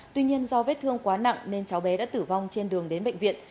tuy nhiên do vết thương quá nặng nên cháu bé đã tử vong trên đường đến bệnh viện